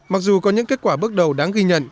mặc dù có những kết quả bước đầu đáng ghi nhận